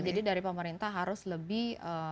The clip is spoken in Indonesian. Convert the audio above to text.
jadi dari pemerintah harus lebih